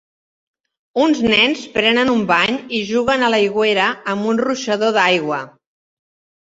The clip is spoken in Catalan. Uns nens prenen un bany i juguen a l'aigüera amb un ruixador d'aigua.